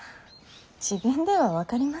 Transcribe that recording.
自分では分かりません。